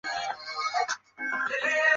汉代时乐府诗形成。